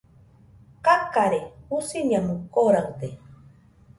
Kakarei, Jusiñamui koraɨde